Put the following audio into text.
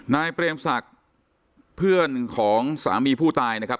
เปรมศักดิ์เพื่อนของสามีผู้ตายนะครับ